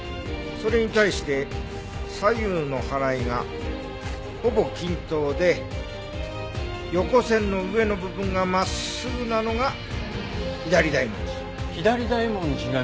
それに対して左右のはらいがほぼ均等で横線の上の部分が真っすぐなのが左大文字。